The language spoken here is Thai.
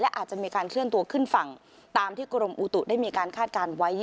อาจจะมีการเคลื่อนตัวขึ้นฝั่งตามที่กรมอุตุได้มีการคาดการณ์ไว้